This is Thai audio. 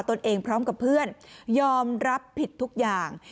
ตนเองพร้อมกับเพื่อนยอมรับผิดทุกอย่าง